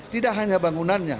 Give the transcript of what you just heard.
tidak hanya bangunannya